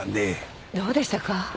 どうでしたか？